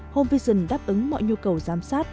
home vision đáp ứng mọi nhu cầu giám sát